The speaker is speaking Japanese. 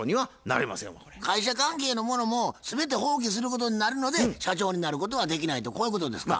会社関係のものも全て放棄することになるので社長になることができないとこういうことですか？